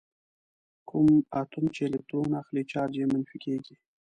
کوم اتوم چې الکترون اخلي چارج یې منفي کیږي.